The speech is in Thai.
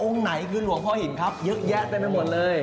ไหนคือหลวงพ่อหินครับเยอะแยะเต็มไปหมดเลย